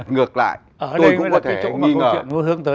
ngược lại tôi cũng có thể nghi ngờ